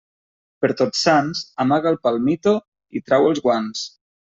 Per Tots Sants, amaga el palmito i trau els guants.